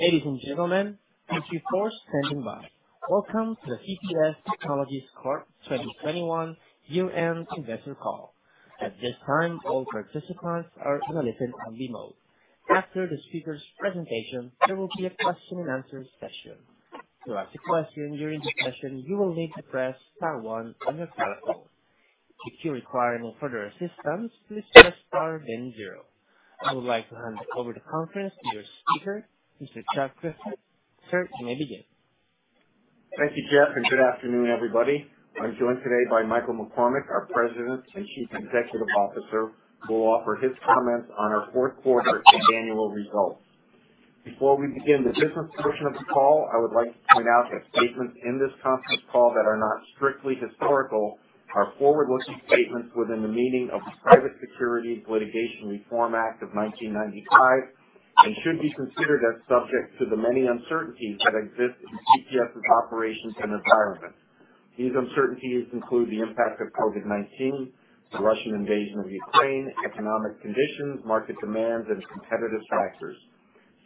Ladies and gentlemen, thank you for standing by. Welcome to the CPS Technologies Corp. 2021 Year-End Investor Call. At this time, all participants are in a listen-only mode. After the speakers' presentation, there will be a question-and-answer session. To ask a question during the session, you will need to press star one on your telephone. If you require any further assistance, please press star then zero. I would like to hand over the conference to your speaker, Mr. Chuck Griffith. Sir, you may begin. Thank you, Jeff, and good afternoon, everybody. I'm joined today by Michael McCormack, our President and Chief Executive Officer, who will offer his comments on our fourth quarter and annual results. Before we begin the business portion of the call, I would like to point out that statements in this conference call that are not strictly historical are forward-looking statements within the meaning of the Private Securities Litigation Reform Act of 1995 and should be considered as subject to the many uncertainties that exist in CPS's operations and environment. These uncertainties include the impact of COVID-19, the Russian invasion of Ukraine, economic conditions, market demands, and competitive factors.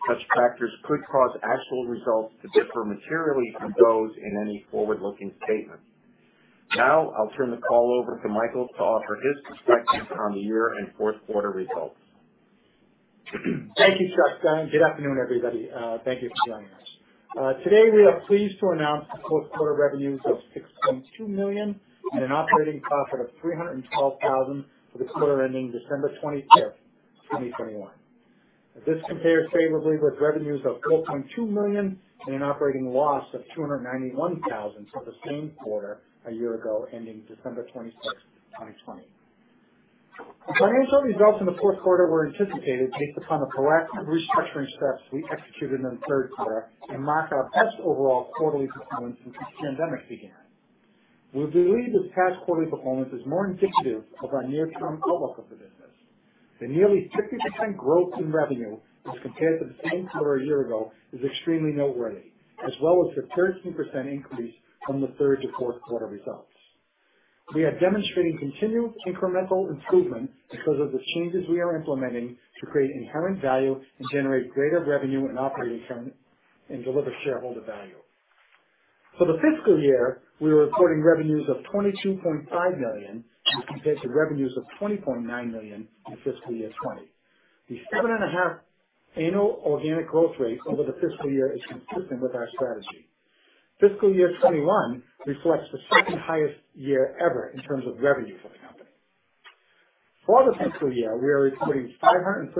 Such factors could cause actual results to differ materially from those in any forward-looking statement. Now, I'll turn the call over to Michael to offer his perspectives on the year and fourth quarter results. Thank you, Chuck, and good afternoon, everybody. Thank you for joining us. Today we are pleased to announce the fourth quarter revenues of $6.2 million and an operating profit of $312,000 for the quarter ending December 23, 2021. This compares favorably with revenues of $4.2 million and an operating loss of $291,000 for the same quarter a year ago, ending December 23, 2020. The financial results in the fourth quarter were anticipated based upon the proactive restructuring steps we executed in the third quarter and mark our best overall quarterly performance since the pandemic began. We believe this past quarterly performance is more indicative of our near-term outlook for the business. The nearly 50% growth in revenue as compared to the same quarter a year ago is extremely noteworthy, as well as the 13% increase from the third to fourth quarter results. We are demonstrating continued incremental improvement because of the changes we are implementing to create inherent value and generate greater revenue and operating margin, and deliver shareholder value. For the fiscal year, we were recording revenues of $22.5 million, in comparison to revenues of $20.9 million in fiscal year 2020. The 7.5% annual organic growth rate over the fiscal year is consistent with our strategy. Fiscal year 2021 reflects the second-highest year ever in terms of revenue for the company. For the fiscal year, we are recording $513,000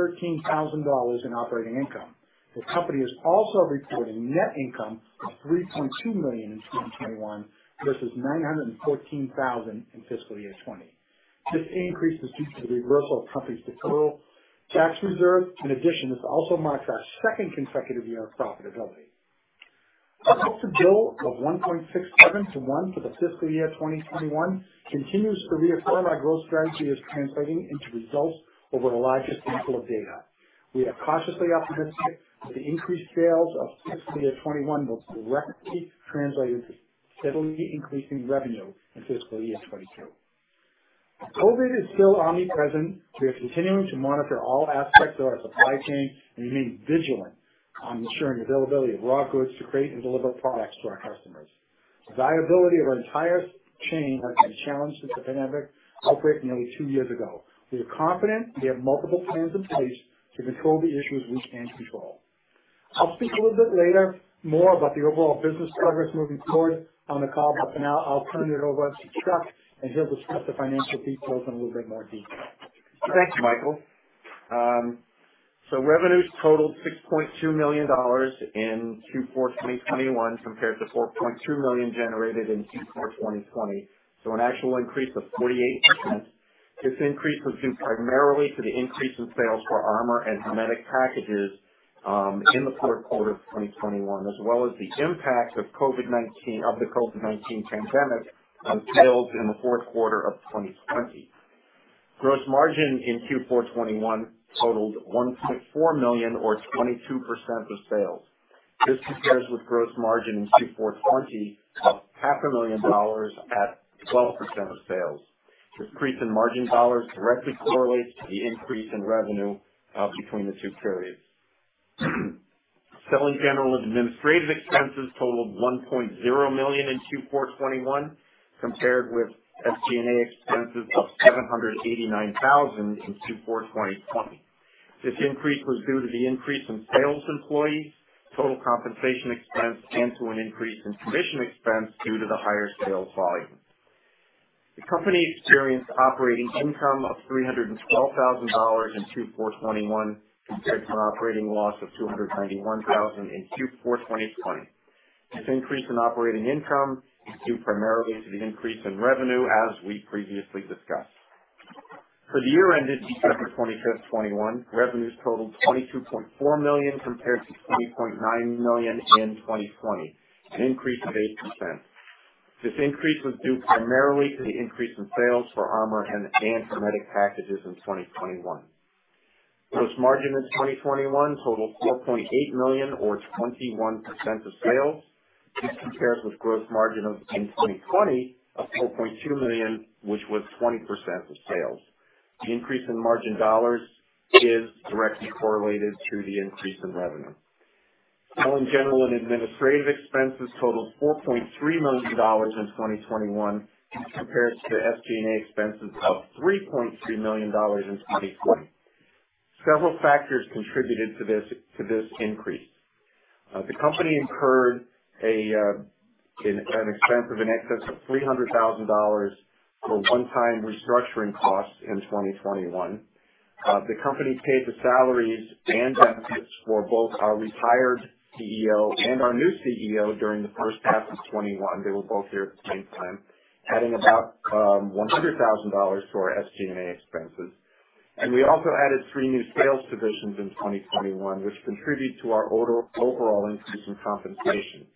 in operating income. The company is also reporting net income of $3.2 million in 2021 versus $914,000 in fiscal year 2020. This increase is due to the reversal of the company's total tax reserve. In addition, this also marks our second consecutive year of profitability. Our book-to-bill of 1.67:1 for the fiscal year 2021 continues to reaffirm our growth strategy is translating into results over a larger sample of data. We are cautiously optimistic that the increased sales of fiscal year 2021 will directly translate into steadily increasing revenue in fiscal year 2022. COVID is still omnipresent. We are continuing to monitor all aspects of our supply chain and remain vigilant on ensuring availability of raw goods to create and deliver products to our customers. The viability of our entire chain has been challenged since the pandemic outbreak nearly two years ago. We are confident we have multiple plans in place to control the issues we can control. I'll speak a little bit later more about the overall business progress moving forward on the call, but for now, I'll turn it over to Chuck, and he'll discuss the financial details in a little bit more detail. Thanks, Michael. Revenues totaled $6.2 million in Q4 2021 compared to $4.2 million generated in Q4 2020. An actual increase of 48%. This increase was due primarily to the increase in sales for armor and hermetic packages in the fourth quarter of 2021, as well as the impact of COVID-19, of the COVID-19 pandemic on sales in the fourth quarter of 2020. Gross margin in Q4 2021 totaled $1.4 million or 22% of sales. This compares with gross margin in Q4 2020 of $500,000 at 12% of sales. This increase in margin dollars directly correlates to the increase in revenue between the two periods. Selling, general, and administrative expenses totaled $1.0 million in Q4 2021, compared with SG&A expenses of $789,000 in Q4 2020. This increase was due to the increase in sales employees, total compensation expense, and to an increase in commission expense due to the higher sales volume. The company experienced operating income of $312,000 in Q4 2021 compared to an operating loss of $291,000 in Q4 2020. This increase in operating income is due primarily to the increase in revenue, as we previously discussed. For the year ended December 25, 2021, revenues totaled $22.4 million compared to $20.9 million in 2020, an increase of 8%. This increase was due primarily to the increase in sales for armor and hermetic packages in 2021. Gross margin in 2021 totaled $4.8 million or 21% of sales. This compares with gross margin in 2020 of $4.2 million, which was 20% of sales. The increase in margin dollars is directly correlated to the increase in revenue. Now, SG&A expenses totaled $4.3 million in 2021, as compared to SG&A expenses of $3.3 million in 2020. Several factors contributed to this increase. The company incurred an expense of in excess of $300,000 for one-time restructuring costs in 2021. The company paid the salaries and benefits for both our retired CEO and our new CEO during the first half of 2021. They were both here at the same time, adding about $100,000 to our SG&A expenses. We also added three new sales positions in 2021, which contributed to our overall increase in compensation.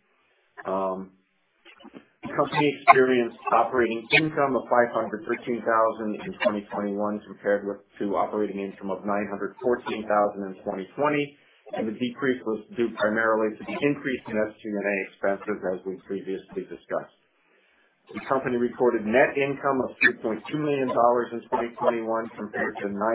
The company experienced operating income of $513,000 in 2021, compared to operating income of $914,000 in 2020, and the decrease was due primarily to the increase in SG&A expenses, as we previously discussed. The company reported net income of $3.2 million in 2021 compared to $900,000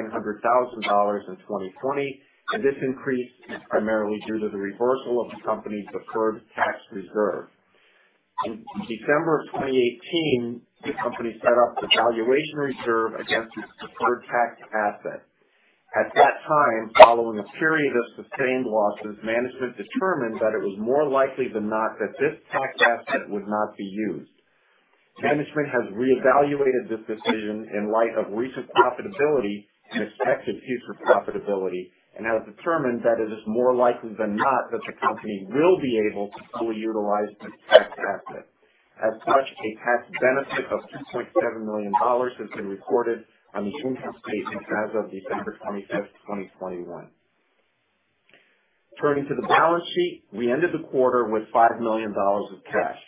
in 2020, and this increase is primarily due to the reversal of the company's deferred tax reserve. In December of 2018, the company set up a valuation reserve against its deferred tax asset. At that time, following a period of sustained losses, management determined that it was more likely than not that this tax asset would not be used. Management has reevaluated this decision in light of recent profitability and expected future profitability, and has determined that it is more likely than not that the company will be able to fully utilize this tax asset. As such, a tax benefit of $2.7 million has been recorded on the income statement as of December 25, 2021. Turning to the balance sheet, we ended the quarter with $5 million of cash.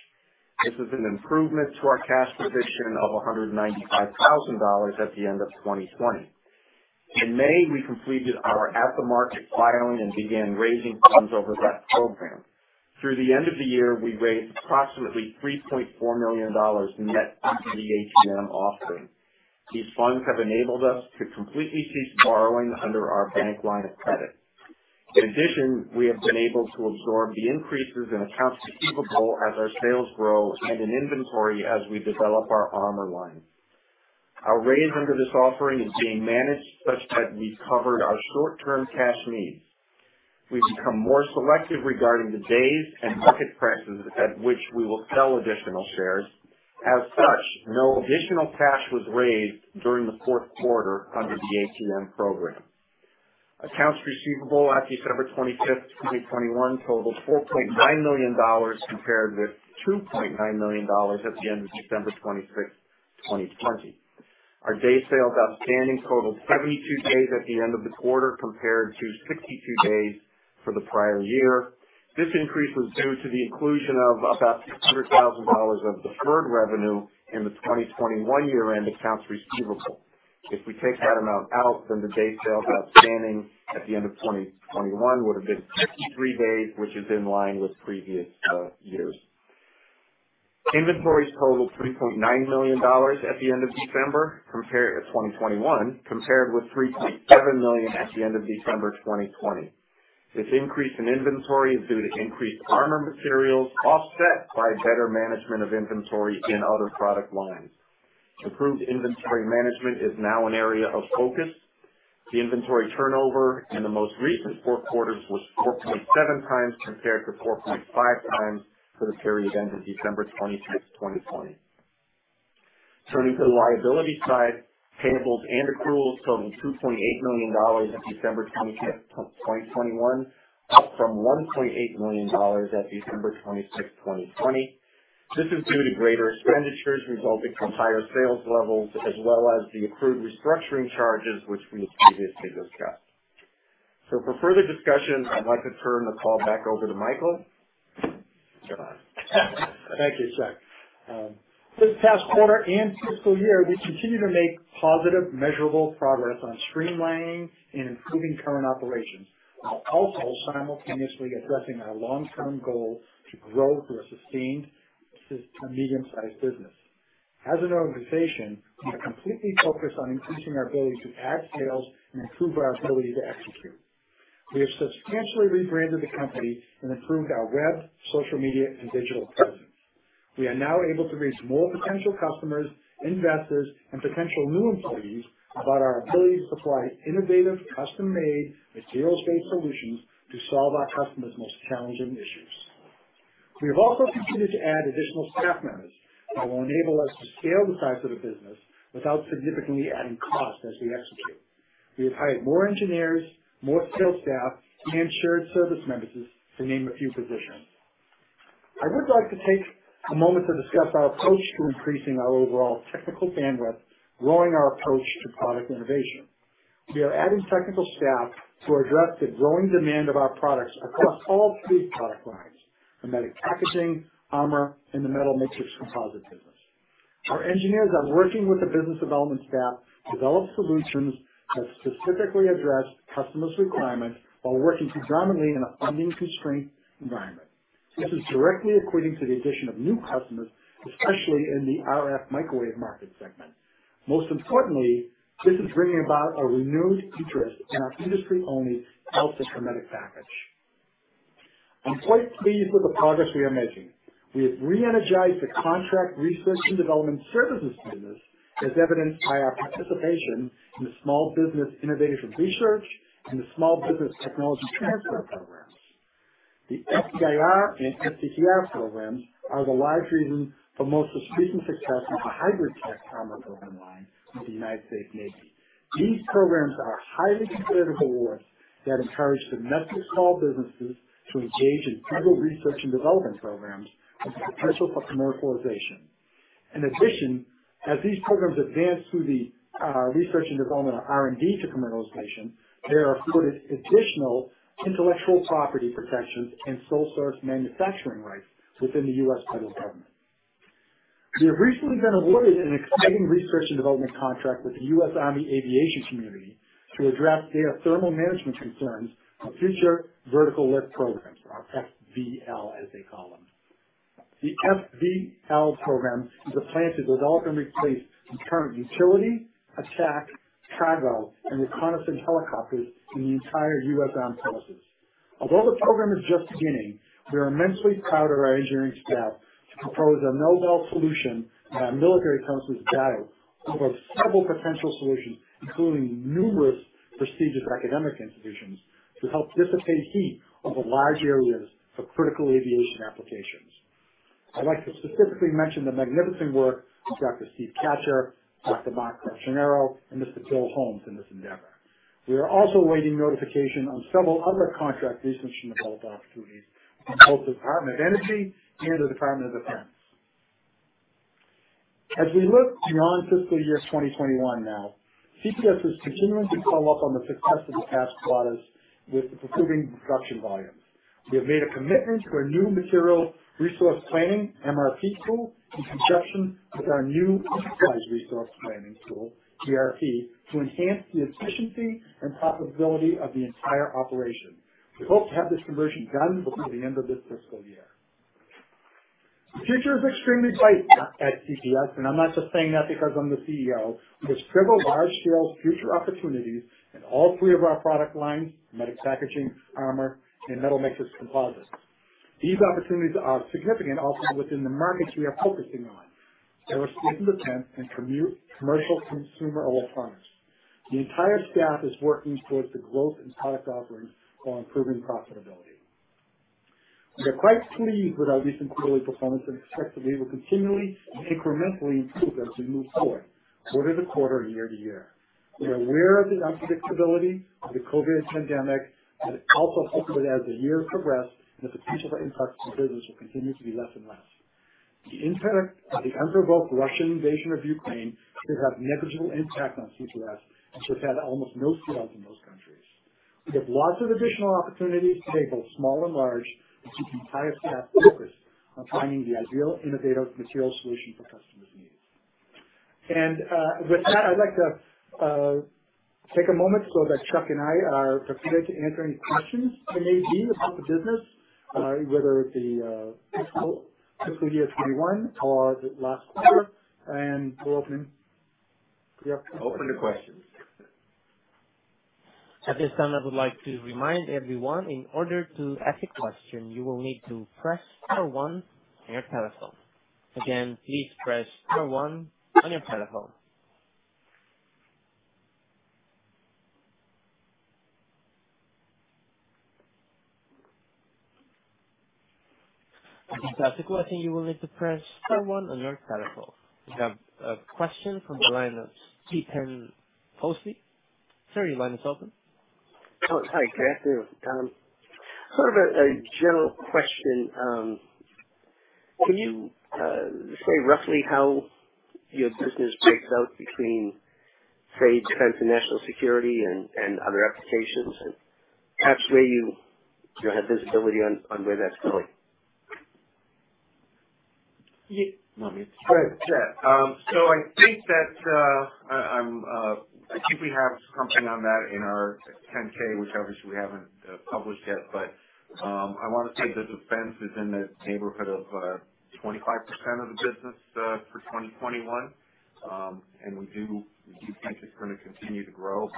This is an improvement to our cash position of $195,000 at the end of 2020. In May, we completed our at-the-market filing and began raising funds over that program. Through the end of the year, we raised approximately $3.4 million net through the ATM offering. These funds have enabled us to completely cease borrowing under our bank line of credit. In addition, we have been able to absorb the increases in accounts receivable as our sales grow and in inventory as we develop our armor line. Our raise under this offering is being managed such that we've covered our short-term cash needs. We've become more selective regarding the days and market prices at which we will sell additional shares. As such, no additional cash was raised during the fourth quarter under the ATM program. Accounts receivable at December 25, 2021 totaled $4.9 million compared with $2.9 million at the end of December 26, 2020. Our days sales outstanding totaled 72 days at the end of the quarter, compared to 62 days for the prior year. This increase was due to the inclusion of about $600,000 of deferred revenue in the 2021 year-end accounts receivable. If we take that amount out, then the days sales outstanding at the end of 2021 would have been 53 days, which is in line with previous years. Inventories totaled $3.9 million at the end of December 2021, compared with $3.7 million at the end of December 2020. This increase in inventory is due to increased armor materials, offset by better management of inventory in other product lines. Improved inventory management is now an area of focus. The inventory turnover in the most recent four quarters was 4.7x compared to 4.5x for the period ending December 26, 2020. Turning to the liability side, payables and accruals totaled $2.8 million at December 25, 2021, up from $1.8 million at December 26, 2020. This is due to greater expenditures resulting from higher sales levels as well as the accrued restructuring charges which we previously discussed. For further discussion, I'd like to turn the call back over to Michael. Thank you, Chuck. This past quarter and fiscal year, we continue to make positive, measurable progress on streamlining and improving current operations, while also simultaneously addressing our long-term goals to grow through a sustained to a medium-sized business. As an organization, we are completely focused on increasing our ability to add sales and improve our ability to execute. We have substantially rebranded the company and improved our web, social media, and digital presence. We are now able to reach more potential customers, investors, and potential new employees about our ability to supply innovative, custom-made, materials-based solutions to solve our customers' most challenging issues. We have also continued to add additional staff members that will enable us to scale the size of the business without significantly adding cost as we execute. We have hired more engineers, more sales staff, and in-service members, to name a few positions. I would like to take a moment to discuss our approach to increasing our overall technical bandwidth, growing our approach to product innovation. We are adding technical staff to address the growing demand of our products across all three product lines: the hermetic packaging, armor, and the metal matrix composite business. Our engineers are working with the business development staff to develop solutions that specifically address customers' requirements while working predominantly in a funding-constrained environment. This is directly equating to the addition of new customers, especially in the RF microwave market segment. Most importantly, this is bringing about a renewed interest in our industry-only AlSiC package. I'm quite pleased with the progress we are making. We have re-energized the contract research and development services business, as evidenced by our participation in the Small Business Innovation Research and the Small Business Technology Transfer programs. The SBIR and STTR programs are the key reason for most recent success in the HybridTech Armor program line with the United States Navy. These programs are highly competitive awards that encourage domestic small businesses to engage in federal research and development programs with the potential for commercialization. In addition, as these programs advance through research and development or R&D to commercialization, they are afforded additional intellectual property protections and sole source manufacturing rights within the U.S. federal government. We have recently been awarded an exciting research and development contract with the U.S. Army Aviation Community to address their thermal management concerns on future vertical lift programs, or FVL as they call them. The FVL program is a plan to develop and replace the current utility, attack, cargo, and reconnaissance helicopters in the entire U.S. armed forces. Although the program is just beginning, we are immensely proud of our engineering staff to propose a novel solution to our military counsel's guide over several potential solutions, including numerous prestigious academic institutions, to help dissipate heat over large areas for critical aviation applications. I'd like to specifically mention the magnificent work of Dr. Steve Kachur, Dr. Mark Occhionero, and Mr. Bill Holmes in this endeavor. We are also awaiting notification on several other contract research and development opportunities from both the Department of Energy and the Department of Defense. As we look beyond fiscal year 2021 now, CPS is continuing to follow up on the success of the past quarters with improving production volumes. We have made a commitment to our new material resource planning, MRP tool, in conjunction with our new enterprise resource planning tool, ERP, to enhance the efficiency and profitability of the entire operation. We hope to have this conversion done before the end of this fiscal year. The future is extremely bright at CPS, and I'm not just saying that because I'm the CEO. There's several large-scale future opportunities in all three of our product lines: medical packaging, armor, and metal matrix composites. These opportunities are significant also within the markets we are focusing on, aerospace and defense and commercial consumer electronics. The entire staff is working towards the growth in product offerings while improving profitability. We are quite pleased with our recent quarterly performance and expect that we will continually and incrementally improve as we move forward quarter to quarter and year to year. We are aware of the unpredictability of the COVID pandemic, and also hope that as the year progressed that the potential impacts on business will continue to be less and less. The impact of the unprovoked Russian invasion of Ukraine should have negligible impact on CPS, as we've had almost no sales in those countries. We have lots of additional opportunities to take, both small and large, and keep the entire staff focused on finding the ideal innovative material solution for customers' needs. With that, I'd like to take a moment so that Chuck and I are prepared to answer any questions there may be about the business, whether it be fiscal year 2021 or the last quarter, and we'll open the.... Open to questions. At this time, I would like to remind everyone in order to ask a question, you will need to press star one on your telephone. Again, please press star one on your telephone. To ask a question, you will need to press star one on your telephone. We have a question from the line of Stephen Posely. Sir, your line is open. Oh, hi. Can you hear me? Sort of a general question. Can you say roughly how your business breaks out between, say, defense and national security and other applications? Perhaps where you have visibility on where that's going. You want me? Go ahead, Chuck. I think we have something on that in our 10-K, which obviously we haven't published yet, but I wanna say that defense is in the neighborhood of 25% of the business for 2021. We think it's gonna continue to grow.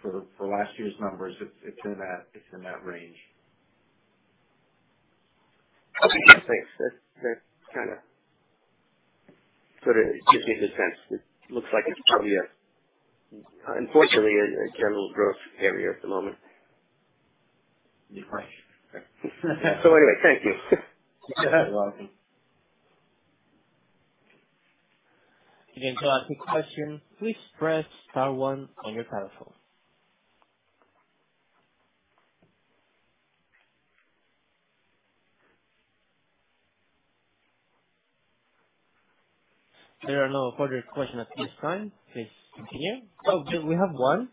For last year's numbers, it's in that range. Okay, thanks. That kinda put it, gives me a good sense. It looks like it's probably, unfortunately, a general growth area at the moment. Yeah, right. Thank you. You're welcome. Again, to ask a question, please press star one on your telephone. There are no further questions at this time. Please continue. Oh, we have one.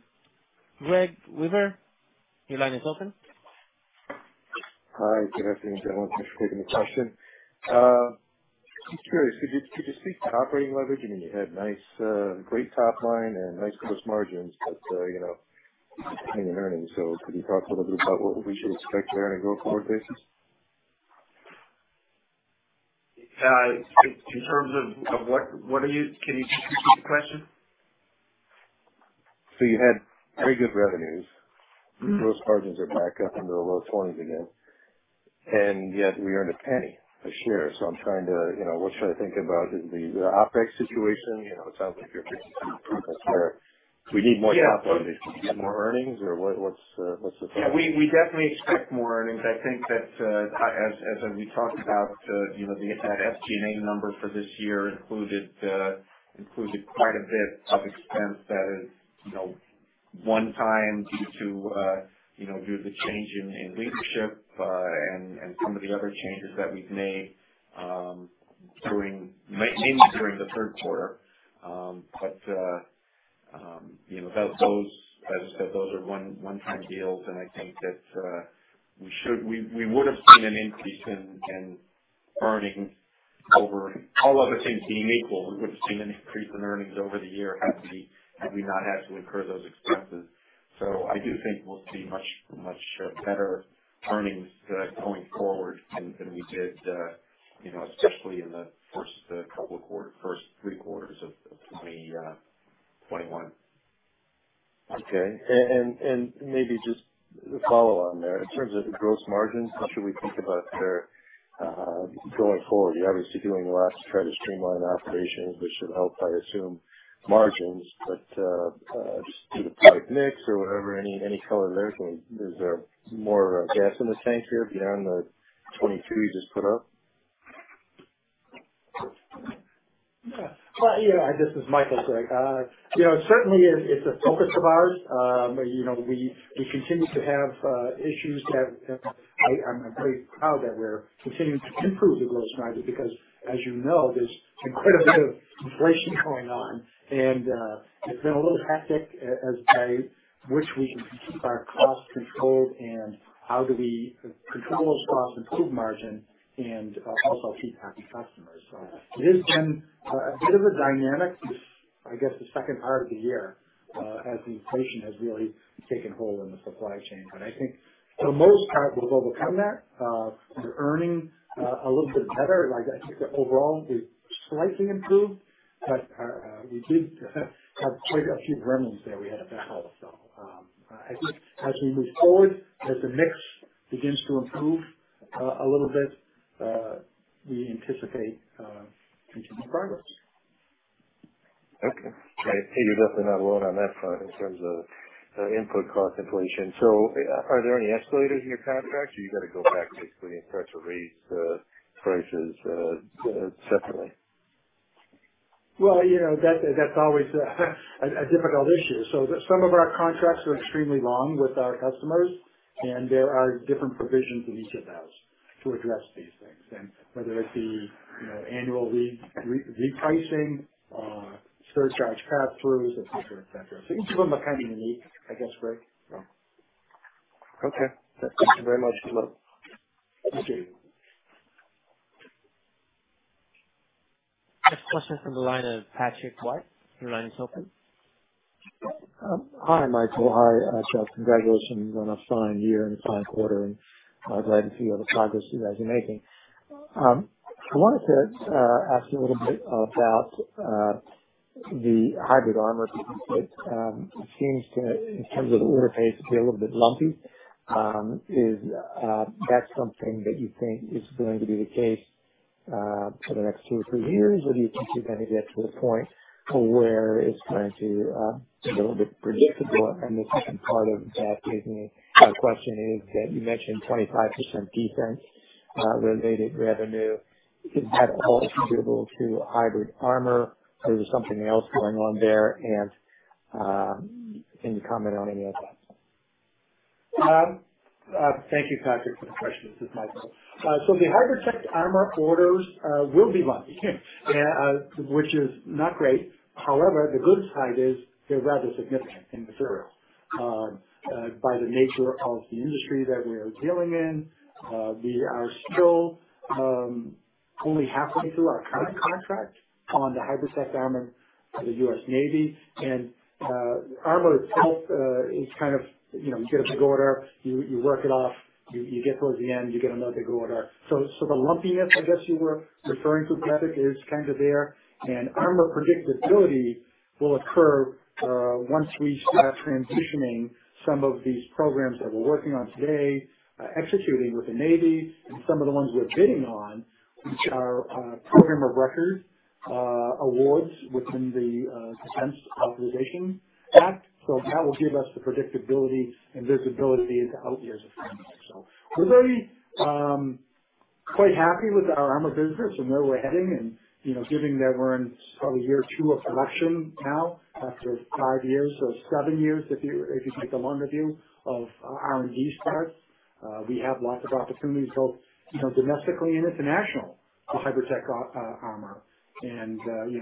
Greg Weber, your line is open. Hi. Good afternoon, gentlemen. Thanks for taking the question. Just curious, could you speak to operating leverage? I mean, you had nice, great top line and nice gross margins, but, you know, penny in earnings. Could you talk a little bit about what we should expect there on a go-forward basis? In terms of what are you? Can you repeat the question? You had very good revenues. Mm-hmm. Gross margins are back up into the low 20s again, and yet we earned $0.01 a share. I'm trying to, you know, what should I think about the OpEx situation? You know, it sounds like you're fixing some problems there. Do we need more capital to get more earnings or what's the plan? Yeah, we definitely expect more earnings. I think that as we talked about, you know, that SG&A number for this year included quite a bit of expense that is, you know, one-time due to the change in leadership and some of the other changes that we've made during mainly during the third quarter. Without those, as I said, those are one-time deals and I think that we would've seen an increase in earnings over all other things being equal. We would've seen an increase in earnings over the year had we not had to incur those expenses. I do think we'll see much better earnings going forward than we did, you know, especially in the first three quarters of 2020, 2021. Maybe just a follow on there. In terms of the gross margins, how should we think about their going forward? You're obviously doing a lot to try to streamline operations, which should help, I assume, margins. Just due to product mix or whatever, any color there from, is there more gas in the tank here beyond the 2022 you just put up? Yeah. Well, you know, this is Michael, Greg. You know, certainly it's a focus of ours. You know, we continue to have issues that I'm pretty proud that we're continuing to improve the growth strategy because as you know, there's quite a bit of inflation going on. It's been a little hectic as to how we can keep our costs controlled and how do we control those costs, improve margin, and also keep happy customers. It has been a bit of a dynamic. This, I guess, the second part of the year, as inflation has really taken hold in the supply chain. But I think for the most part we've overcome that. We're earning a little bit better. Like, I think that overall we've slightly improved, but we did have quite a few headwinds there we had to battle. I think as we move forward, as the mix begins to improve, a little bit, we anticipate continued progress. Okay. Hey, you're definitely not alone on that front in terms of input cost inflation. Are there any escalators in your contracts or you gotta go back basically and try to raise prices separately? Well, you know, that's always a difficult issue. Some of our contracts are extremely long with our customers, and there are different provisions in each of those to address these things. Whether it be, you know, annual repricing, surcharge pass-throughs, et cetera, et cetera. Each of them are kind of unique, I guess, Greg. Okay. Thank you very much. Good luck. Thank you. Next question from the line of Patrick White your line is open. Hi, Michael. Hi, Chuck. Congratulations on a fine year and a fine quarter, and I'm glad to see all the progress you guys are making. I wanted to ask you a little bit about the HybridTech Armor business. It seems to, in terms of the order pace, be a little bit lumpy. Is that something that you think is going to be the case for the next two or three years? Or do you think you're gonna get to the point where it's going to be a little bit predictable? And the second part of that question is that you mentioned 25% defense-related revenue. Is that all attributable to HybridTech Armor or is there something else going on there? And can you comment on any of that? Thank you, Patrick, for the question. This is Michael. The HybridTech Armor orders will be lumpy, which is not great. However, the good side is they're rather significant in material. By the nature of the industry that we are dealing in, we are still only halfway through our current contract on the HybridTech Armor for the U.S. Navy. Armor itself is kind of, you know, you get a big order, you work it off, you get towards the end, you get another big order. The lumpiness, I guess you were referring to, Patrick, is kind of there. Armor predictability will occur once we start transitioning some of these programs that we're working on today, executing with the Navy and some of the ones we're bidding on, which are program of record awards within the National Defense Authorization Act. That will give us the predictability and visibility out years in advance. We're very quite happy with our armor business and where we're heading. You know, given that we're in probably year two of production now after five years or seven years, if you take a longer view of R&D start, we have lots of opportunities both, you know, domestically and international for HybridTech Armor. You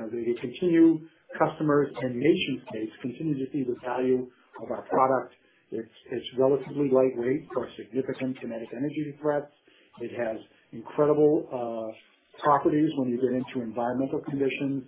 know, customers and nation states continue to see the value of our product. It's relatively lightweight for a significant kinetic energy threat. It has incredible properties when you get into environmental conditions.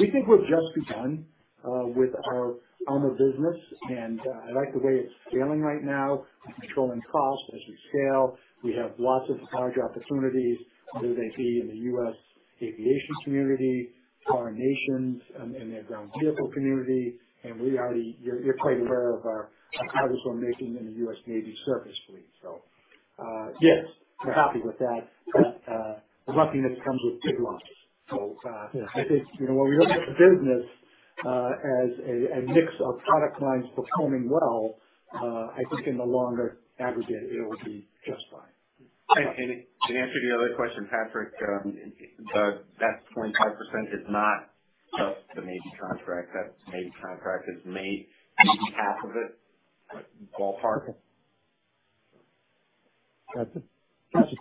We think we're just begun. With our armor business, I like the way it's scaling right now. We're controlling costs as we scale. We have lots of large opportunities, whether they be in the U.S. Army Aviation Community, foreign nations in their ground vehicle community. You're quite aware of our progress we're making in the U.S. Navy surface fleet. Yes, we're happy with that. The lumpiness comes with big losses. I think, you know, when we look at the business as a mix of product lines performing well, I think in the longer aggregate, it will be just fine. To answer the other question, Patrick, that 25% is not just the Navy contract. That Navy contract is maybe half of it, ballpark. That's interesting.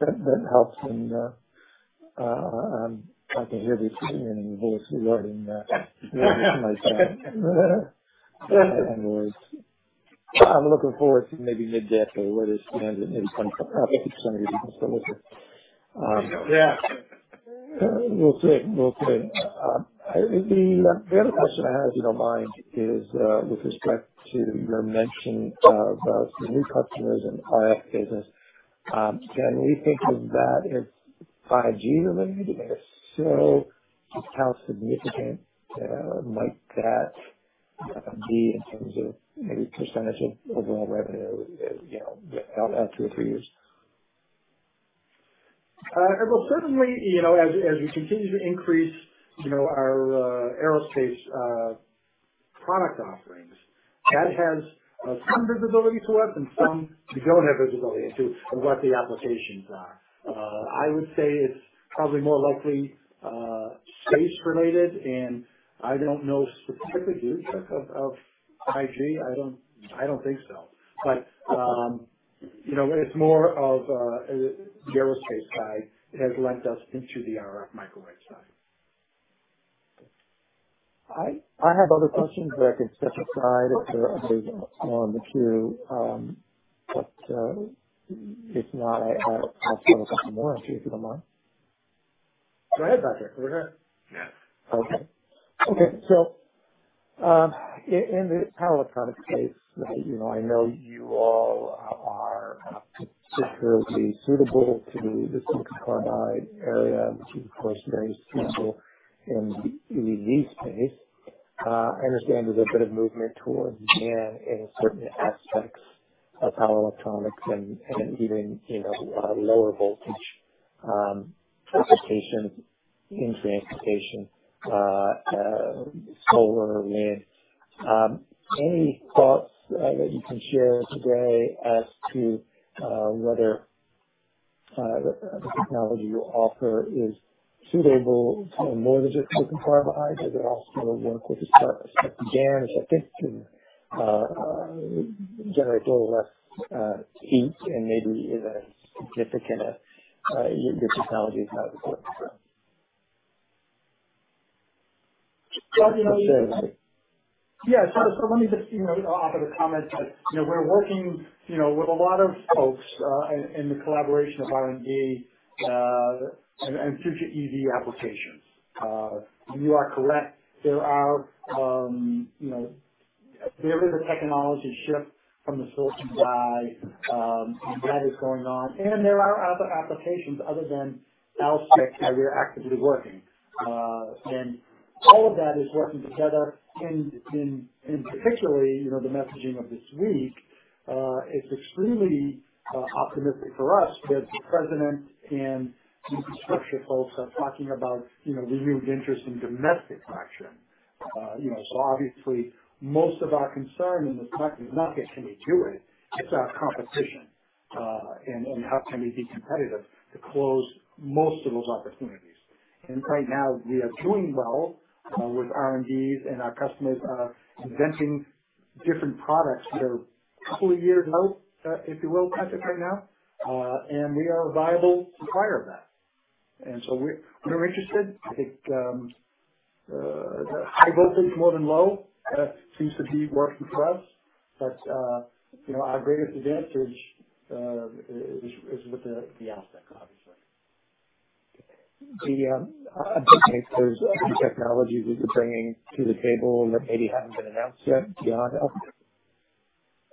That helps. I can hear the senior voice alerting myself. I'm worried. I'm looking forward to maybe mid-deck or whether, you know, maybe 50% of your business but maybe we'll see. Yeah. We'll see. The other question I have, if you don't mind, is with respect to your mention of some new customers in RF business, can we think of that as 5G related? If so, how significant might that be in terms of maybe percentage of overall revenue, you know, out two or three years? Well, certainly, you know, as we continue to increase, you know, our aerospace product offerings, that has some visibility to us and some we don't have visibility into on what the applications are. I would say it's probably more likely space related. I don't know specifically the use case of 5G. I don't think so. You know, it's more of the aerospace side. It has led us into the RF microwave side. I have other questions, but I can set aside if there are others on the queue. But if not, I still got more if you don't mind. Go ahead, Patrick. We're good. Yeah. In the power electronics space that, you know, I know you all are particularly suitable to the silicon carbide area, which is, of course, very suitable in the EV space. I understand there's a bit of movement towards GAN in certain aspects of power electronics and even, you know, lower voltage applications in transportation, solar, wind. Any thoughts that you can share today as to whether the technology you offer is suitable to more than just silicon carbide? Is it also applicable to stuff like GAN, which I think can generate a little less heat and maybe isn't as significant a, your technology is not as good for. Well, you know. Yeah. Let me just, you know, offer the comment that, you know, we're working, you know, with a lot of folks in the collaboration of R&D and future EV applications. You are correct. There is a technology shift from the silicon carbide and that is going on. There are other applications other than AlSiC that we're actively working. All of that is working together. Particularly, you know, the messaging of this week, it's extremely optimistic for us that the president and the infrastructure folks are talking about, you know, renewed interest in domestic manufacturing. You know, obviously most of our concern in this market is not can we do it's our competition and how can we be competitive to close most of those opportunities. Right now we are doing well with R&Ds, and our customers are inventing different products that are a couple of years out, if you will, Patrick, right now. We are a viable supplier of that. We're interested. I think high voltage more than low seems to be working for us. You know, our greatest advantage is with the AlSiC obviously. I take it there's other technologies that you're bringing to the table that maybe haven't been announced yet beyond AlSiC?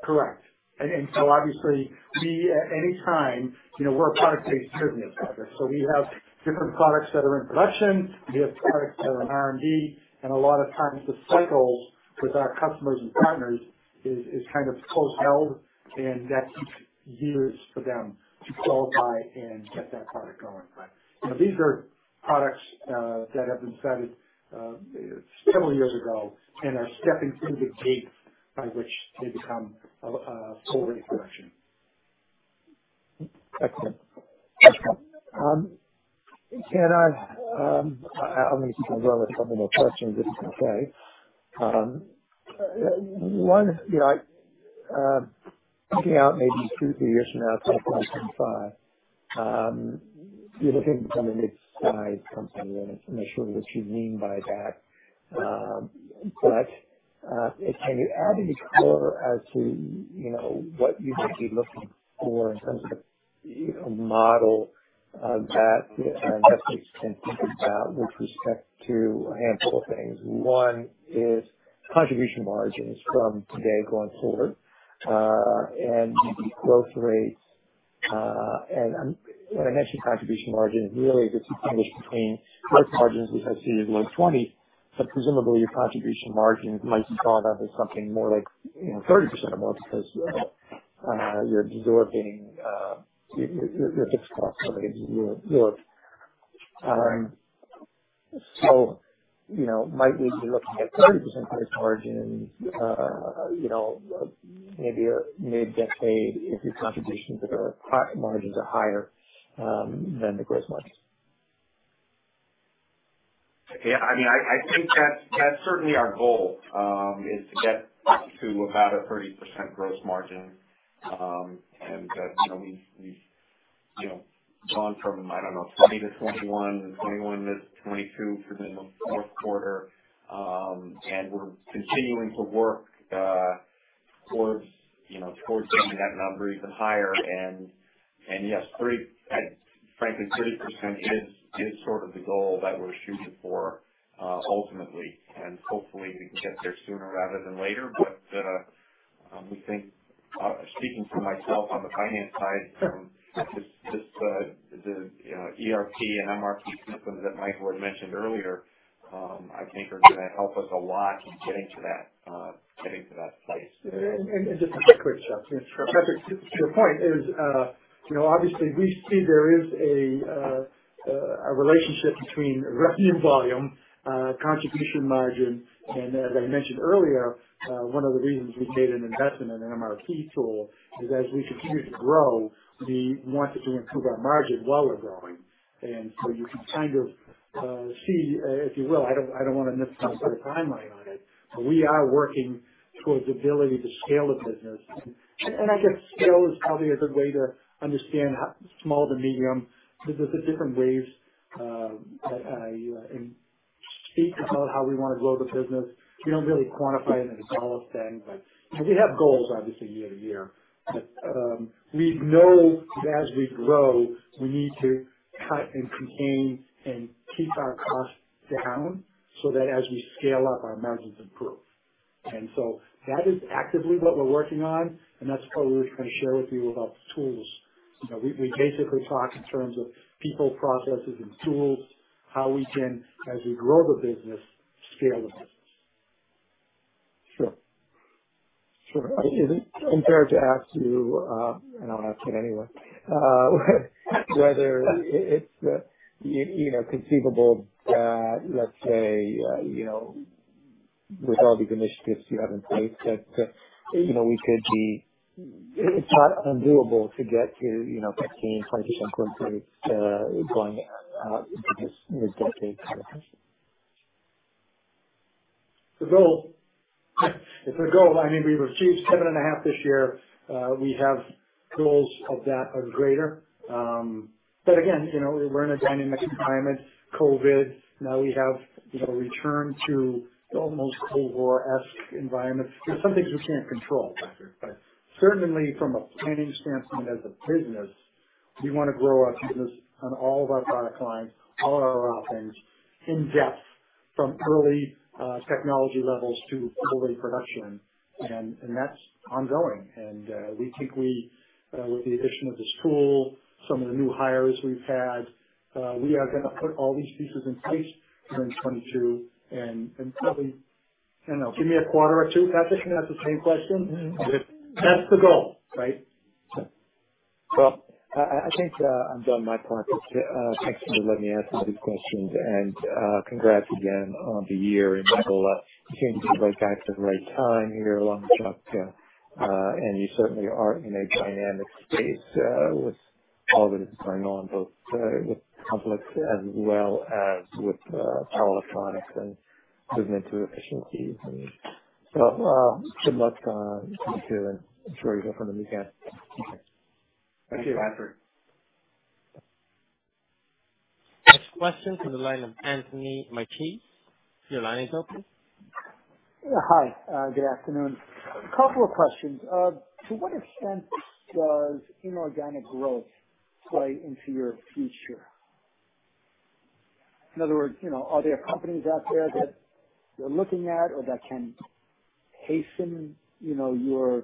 Correct. Obviously we at any time, you know, we're a product-based business, Patrick, so we have different products that are in production. We have products that are in R&D. A lot of times the cycles with our customers and partners is kind of close-held, and that's years for them to qualify and get that product going. Right. You know, these are products that have been started several years ago and are stepping through the gate by which they become a full rate production. Excellent. Can I go with a couple more questions if it's okay. One, you know, thinking out maybe two, three years from now, 2025, you're looking to become a midsize company, and I'm not sure what you mean by that. Can you add any color as to, you know, what you would be looking for in terms of a model, that investors can think about with respect to a handful of things? One is contribution margins from today going forward, and growth rates. When I mention contribution margins, really to distinguish between gross margins, which I've seen as low as 20%, but presumably your contribution margins might compound into something more like, you know, 30% or more because your fixed costs are going to be really good. You know, might we be looking at 30% gross margin, you know, maybe a mid-decade if your contributions or margins are higher than the gross margins? Yeah, I mean, I think that's certainly our goal to get to about a 30% gross margin. That, you know, we've you know gone from, I don't know, 2020-2021, 2021-2022 for the fourth quarter. We're continuing to work towards you know getting that number even higher. Yes, frankly, 30% is sort of the goal that we're shooting for ultimately, and hopefully we can get there sooner rather than later. We think speaking for myself on the finance side this the you know ERP and MRP systems that Michael had mentioned earlier I think are gonna help us a lot in getting to that place. Just to quickly, Chuck, you know, Patrick, to your point is, you know, obviously we see there is a relationship between revenue volume, contribution margin. As I mentioned earlier, one of the reasons we made an investment in an MRP tool is as we continue to grow, we wanted to improve our margin while we're growing. You can kind of see, if you will, I don't want to nip some sort of timeline on it, but we are working towards the ability to scale the business. I guess scale is probably a good way to understand small to medium. Because there are different ways to speak about how we want to grow the business. We don't really quantify it as a dollar thing, but we have goals obviously year to year. We know that as we grow, we need to cut and contain and keep our costs down so that as we scale up, our margins improve. That is actively what we're working on. That's part of what we were trying to share with you about the tools. You know, we basically talk in terms of people, processes and tools, how we can, as we grow the business, scale the business. Sure. Is it unfair to ask you, and I'll ask it anyway, whether it's, you know, conceivable that, let's say, you know, with all these initiatives you have in place that, you know, we could be. It's not undoable to get to, you know, 15%-20% gross rates going into this mid-decade time frame. It's a goal. I mean, we've achieved 7.5 this year. We have goals of that or greater. But again, you know, we're in a dynamic environment. COVID. Now we have a return to almost Cold War-esque environment. There are some things we can't control, Patrick, but certainly from a planning standpoint, as a business, we want to grow our business on all of our product lines, all our offerings in depth from early technology levels to full production. That's ongoing. We think with the addition of this tool, some of the new hires we've had, we are gonna put all these pieces in place during 2022 and probably, you know, give me a quarter or two, Patrick, and ask the same question. Mm-hmm. That's the goal, right? Well, I think I'm done my part. Thanks for letting me ask all these questions. Congrats again on the year. Michael, seems you got back at the right time here along the truck, and you certainly are in a dynamic space with all that is going on, both with CPS as well as with power electronics and movement to efficiency. Good luck in the future. Enjoy your weekend. Thank you. Thank you, Patrick. Next question from the line of Anthony Marci. Your line is open. Yeah. Hi. Good afternoon. A couple of questions. To what extent does inorganic growth play into your future? In other words, you know, are there companies out there that you're looking at or that can hasten, you know, your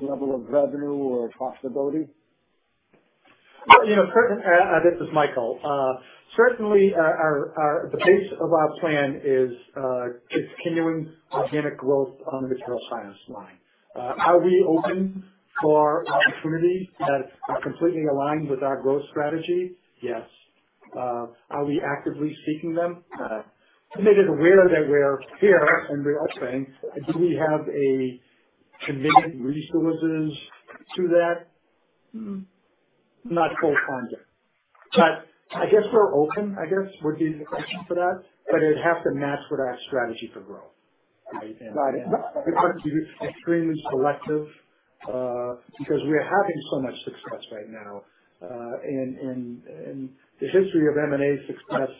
level of revenue or profitability? Well, you know, this is Michael. Certainly the base of our plan is continuing organic growth on the material science line. Are we open for opportunities that are completely aligned with our growth strategy? Yes. Are we actively seeking them? They're made aware that we're here and we're open. Do we have committed resources to that? Not full-time, yet. I guess we're open, I guess, would be the question for that. But it'd have to match with our strategy for growth, right? Got it. We'd like to be extremely selective because we are having so much success right now. The history of M&A success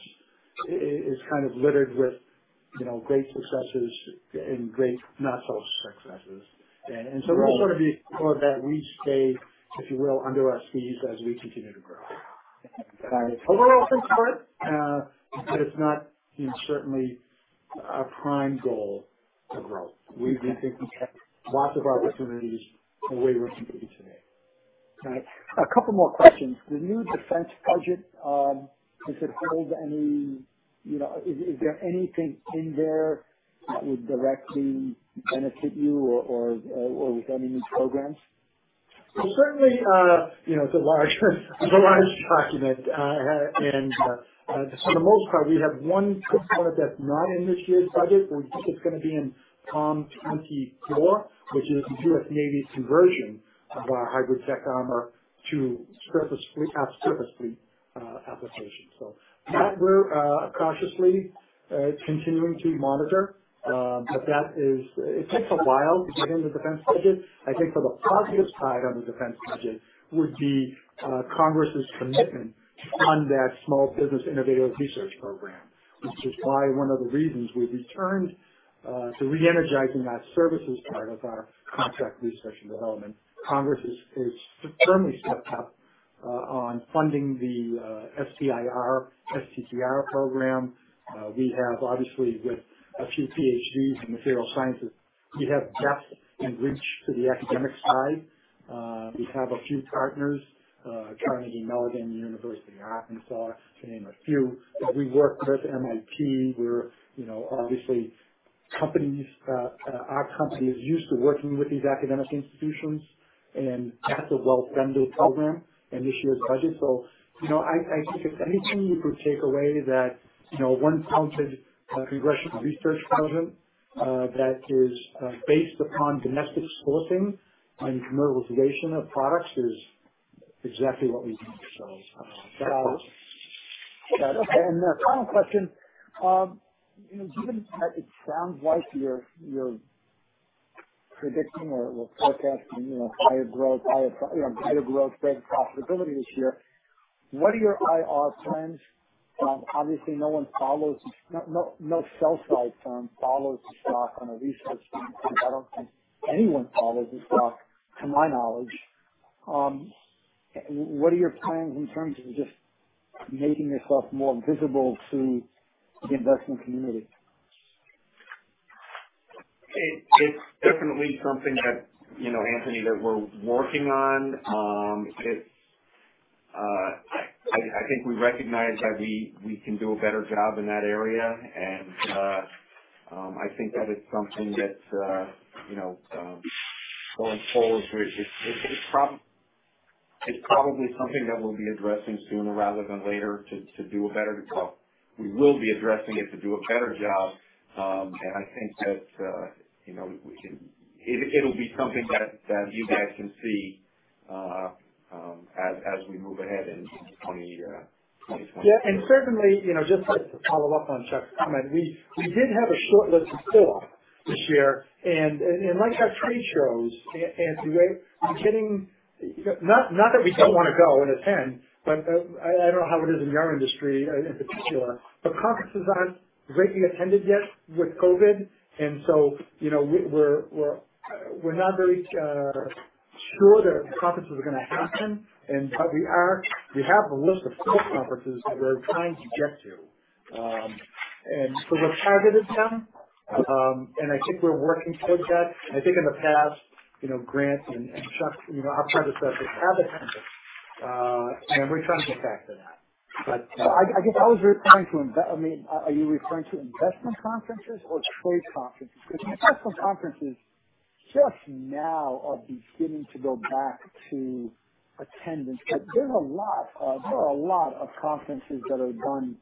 is kind of littered with, you know, great successes and great not-so-successes. So we stay, if you will, under our skis as we continue to grow. I, although we're open to it, but it's not, you know, certainly a prime goal to grow. We've been taking lots of opportunities the way we're competing today. Got it. A couple more questions. The new defense budget, does it hold any? You know, is there anything in there that would directly benefit you or with any new programs? Certainly, you know, it's a large document. For the most part, we have one component that's not in this year's budget. We think it's gonna be in FY 2024, which is the U.S. Navy's conversion of our HybridTech Armor to surface fleet application that we're cautiously continuing to monitor. It takes a while to get into defense budget. I think for the positive side of the defense budget would be Congress's commitment to fund that Small Business Innovation Research program, which is probably one of the reasons we returned to re-energizing that services part of our contract research and development. Congress is firmly stepped up on funding the SBIR, STTR program. We have obviously with a few PhDs in material sciences, we have depth and reach to the academic side. We have a few partners, Carnegie Mellon, University of Arkansas, to name a few. We work with MIT. We're, you know, obviously companies, our company is used to working with these academic institutions, and that's a well-funded program in this year's budget. I think if anything you could take away that, you know, one funded congressional research program that is based upon domestic sourcing and commercialization of products is exactly what we need. Got it. Okay. A final question. You know, given that it sounds like you're predicting or forecasting, you know, higher growth, better profitability this year, what are your IR trends? Obviously no one follows. No sell side firm follows the stock on a research standpoint. I don't think anyone follows the stock, to my knowledge. What are your plans in terms of just making yourself more visible to the investment community? It's definitely something that, you know, Anthony, that we're working on. I think we recognize that we can do a better job in that area and I think that it's something that, you know, going forward, it's probably something that we'll be addressing sooner rather than later to do a better job. We will be addressing it to do a better job. I think that, you know, we can. It'll be something that you guys can see as we move ahead in 2024. Yeah. Certainly, you know, just to follow up on Chuck's comment, we did have a short list of four this year. Like our trade shows, Anthony, not that we don't wanna go and attend, but I don't know how it is in your industry in particular, but conferences aren't greatly attended yet with COVID. You know, we're not very sure that conferences are gonna happen. We have a list of four conferences that we're trying to get to. We've targeted them. I think we're working towards that. I think in the past, you know, Grant and Chuck, you know, outside of us have attended, and we're trying to get back to that. I mean, are you referring to investment conferences or trade conferences? Because investment conferences just now are beginning to go back to attendance. There are a lot of conferences that are done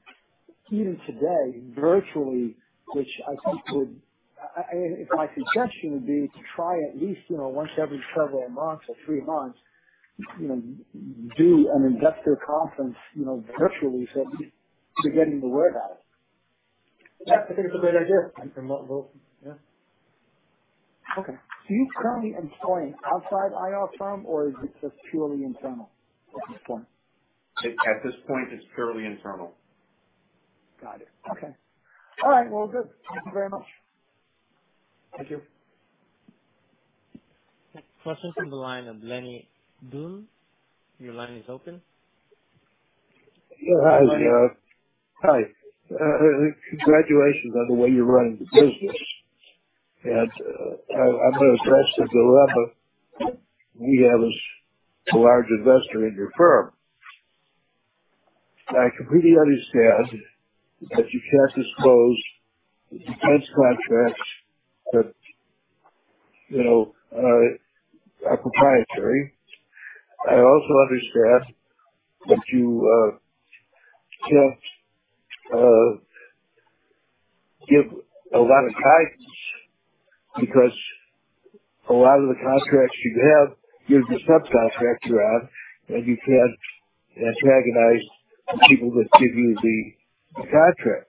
even today, virtually, which I think would. My suggestion would be to try at least, you know, once every several months or three months, you know, do an investor conference, you know, virtually so at least they're getting the word out. Yeah. I think it's a great idea. And we'll. Yeah. Okay. Do you currently employ an outside IR firm or is it just purely internal at this point? At this point it's purely internal. Got it. Okay. All right. Well, good. Thank you very much. Thank you. Questions from the line of Lenny Dunn. Your line is open. Hi. Congratulations on the way you're running the business. I'm gonna address the dilemma we have as a large investor in your firm. I completely understand that you can't disclose the defense contracts that, you know, are proprietary. I also understand that you can't give a lot of guidance because a lot of the contracts you have is the subcontracts you have, and you can't antagonize people that give you the contract.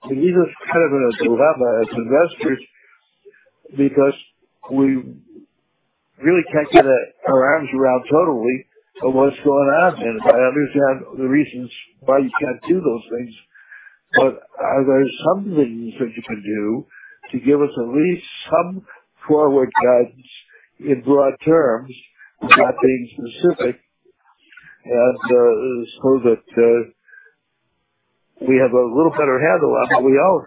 It leaves us kind of in a dilemma as investors because we really can't get our arms around the totality of what's going on. I understand the reasons why you can't do those things. Are there some things that you can do to give us at least some forward guidance in broad terms without being specific and, so that, we have a little better handle on what we own?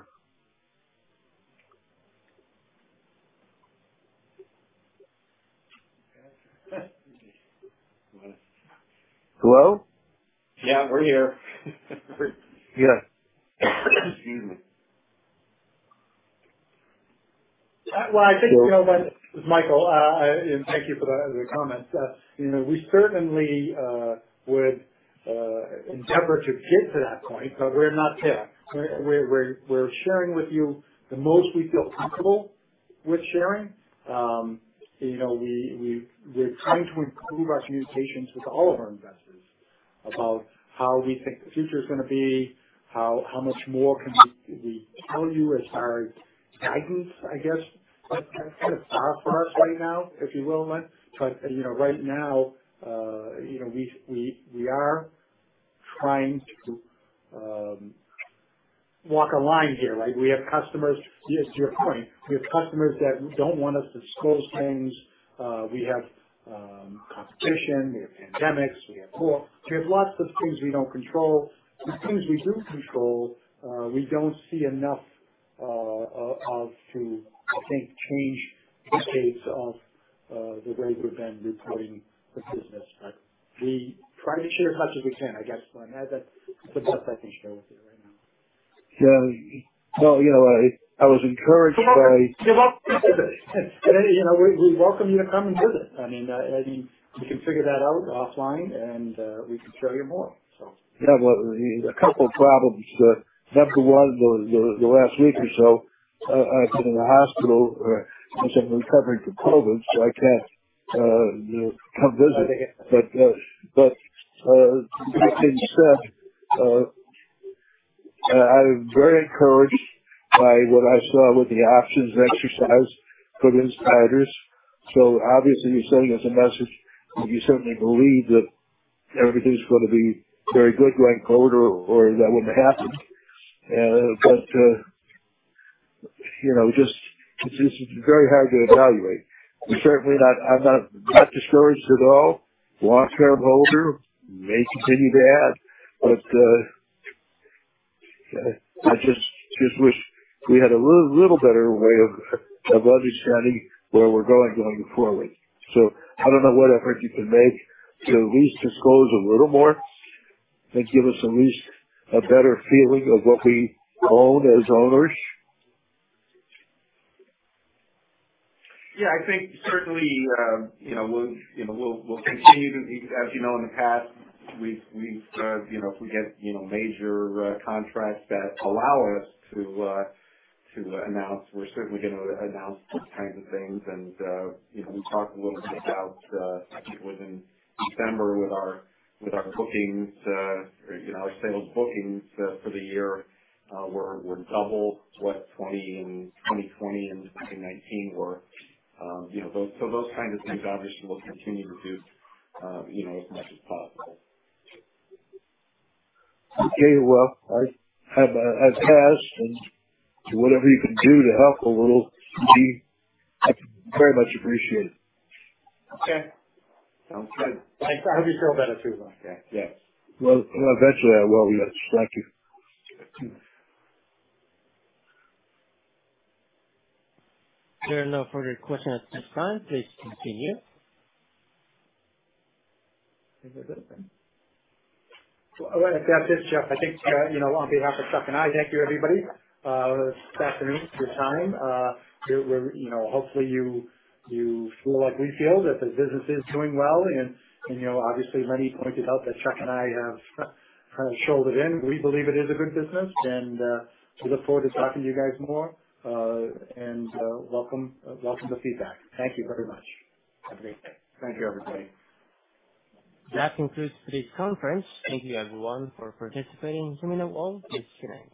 Hello? Yeah, we're here. Yes. Excuse me. Well, I think, you know, it's Michael, and thank you for the comment. You know, we certainly would endeavor to get to that point, but we're not there. We're sharing with you the most we feel comfortable with sharing. You know, we're trying to improve our communications with all of our investors about how we think the future is gonna be, how much more can we tell you as our guidance, I guess, but that's kind of far for us right now, if you will. You know, right now, you know, we are trying to walk a line here, right? We have customers. To your point, we have customers that don't want us to disclose things. We have competition, we have pandemics, we have war. We have lots of things we don't control. The things we do control, we don't see enough of to, I think, change the pace of the way we've been reporting the business. We try to share as much as we can, I guess. That's the best I can share with you right now. Yeah. Well, you know, I was encouraged by- Come up and visit. You know, we welcome you to come and visit. I mean, we can figure that out offline and we can show you more. Yeah. Well, a couple of problems. Number one, the last week or so, I've been in the hospital as I'm recovering from COVID, so I can't, you know, come visit. Having said, I'm very encouraged by what I saw with the options and exercise from insiders. So obviously you're sending us a message that you certainly believe that everything's gonna be very good going forward or that wouldn't happen. You know, just, it's just very hard to evaluate. I'm certainly not discouraged at all. Long-term holder. I may continue to add. I just wish we had a little better way of understanding where we're going forward. I don't know what effort you can make to at least disclose a little more and give us at least a better feeling of what we own as owners. Yeah. I think certainly, you know, we'll continue to, as you know, in the past, we've you know, if we get major contracts that allow us to announce, we're certainly gonna announce those kinds of things. You know, we talked a little bit about, I think it was in December with our bookings, you know, our sales bookings for the year were double what 2020 and 2019 were. You know, those kind of things obviously we'll continue to do, you know, as much as possible. Okay. Well, I have cash and do whatever you can do to help a little. We very much appreciate it. Okay. Sounds good. I hope you feel better too, Lenny. Yes. Well, eventually I will. Yes. Thank you. There are no further questions at this time. Please continue. If that's it, Chuck, I think you know, on behalf of Chuck and I, thank you, everybody, this afternoon for your time. You know, hopefully you feel like we feel that the business is doing well. You know, obviously Lenny pointed out that Chuck and I have kind of soldiered on. We believe it is a good business, and we look forward to talking to you guys more. We welcome the feedback. Thank you very much. Have a great day. Thank you, everybody. That concludes today's conference. Thank you, everyone, for participating. You may now disconnect.